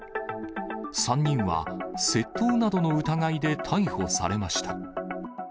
３人は窃盗などの疑いで逮捕されました。